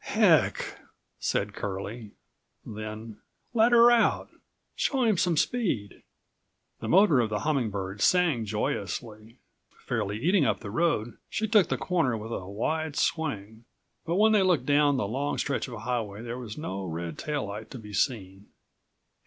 "Heck!" said Curlie, then, "Let her out! Show him some speed." The motor of the Humming Bird sang joyously. Fairly eating up the road, she took the corner with a wide swing. But when they looked down the long stretch of highway there was no red tail light to be seen.